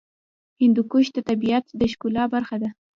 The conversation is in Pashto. هندوکش د طبیعت د ښکلا برخه ده.